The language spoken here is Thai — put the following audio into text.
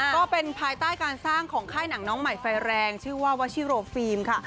ก็เป็นภายใต้การสร้างของค่ายหนังน้องใหม่ไฟแรงชื่อว่าวัชิโรฟิล์มค่ะ